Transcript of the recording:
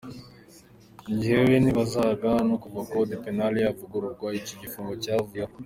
Njyewe nibazaga ko kuva code penal yavugururwa, icyo gifungo cyavuyeho.